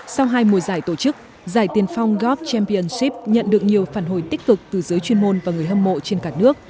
sau hai mùa giải tổ chức giải tiền phong golf championship nhận được nhiều phản hồi tích cực từ giới chuyên môn và người hâm mộ trên cả nước